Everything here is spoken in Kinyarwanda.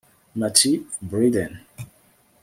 Matt Bryden